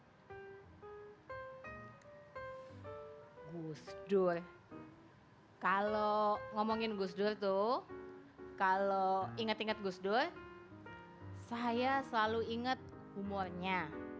gus dur kalau ngomongin gus dur tuh kalau ingat ingat gus dur saya selalu inget humornya